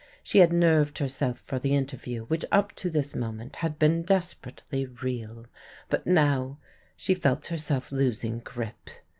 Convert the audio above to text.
She had nerved herself for the interview which up to this moment had been desperately real; but now she felt herself losing grip.